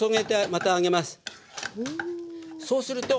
そうすると。